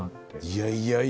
いやいや。